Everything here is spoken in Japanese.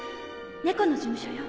猫の事務所よ